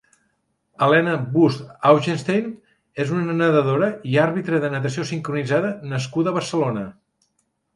Helena Wüst Augenstein és una nedadora i àrbitra de natació sincronitzada nascuda a Barcelona.